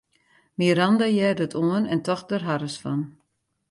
Miranda hearde it oan en tocht der harres fan.